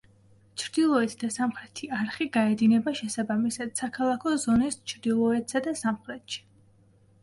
ჩრდილოეთ და სამხრეთი არხი გაედინება შესაბამისად, საქალაქო ზონის ჩრდილოეთსა და სამხრეთში.